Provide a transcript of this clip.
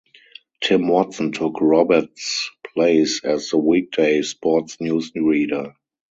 Tim Watson took Roberts' place as the weekday sports newsreader.